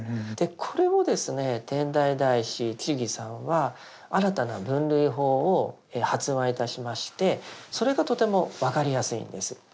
これをですね天台大師智さんは新たな分類法を発案いたしましてそれがとても分かりやすいんです。